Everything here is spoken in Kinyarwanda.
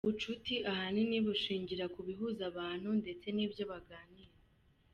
Ubucuti ahanini bushingira ku bihuza abantu ndetse n’ibyo baganira.